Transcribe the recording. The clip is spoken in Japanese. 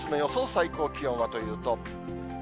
最高気温はというと。